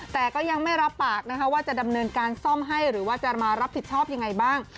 แต่ก็ยังไม่รับปากนะคะว่าจะดำเนินการซ่อมให้หรือว่าจะมารับผิดชอบยังไงบ้าง